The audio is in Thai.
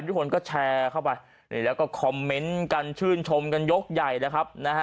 ทุกคนก็แชร์เข้าไปแล้วก็คอมเมนต์กันชื่นชมกันยกใหญ่แล้วครับนะฮะ